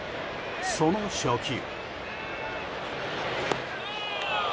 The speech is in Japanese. その初球。